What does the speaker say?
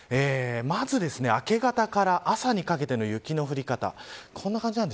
まず、明け方から朝にかけての雪の降り方